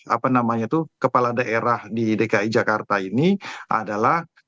apa namanya itu kepala daerah di dki jakarta ini adalah